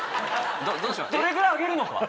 どれぐらいあげるのか？